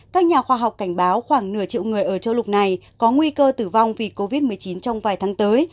các nhà khoa học cảnh báo khoảng nửa triệu người ở châu lục này có nguy cơ tử vong vì covid một mươi chín trong vài tháng tới